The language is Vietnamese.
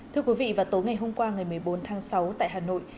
thưa quý vị vào tối ngày hôm qua ngày một mươi bốn tháng sáu tại hà nội